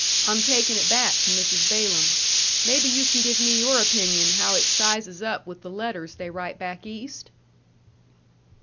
I'm taking it back to Mrs. Balaam. Maybe you can give me your opinion how it sizes up with the letters they write back East?"